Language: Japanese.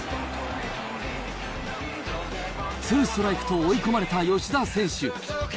ツーストライクと追い込まれた吉田選手。